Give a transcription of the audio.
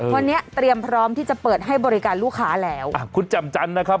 วันนี้เตรียมพร้อมที่จะเปิดให้บริการลูกค้าแล้วอ่ะคุณแจ่มจันทร์นะครับ